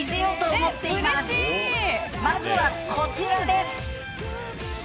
まずはこちらです。